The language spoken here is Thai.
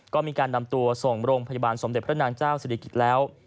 ก็มีการนำตัวส่งโรงพยาบาลสมเด็จพระนางเจ้าศิริกิจแล้ว